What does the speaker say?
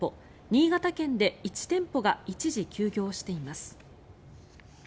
新潟県で１店舗が一時休業しています。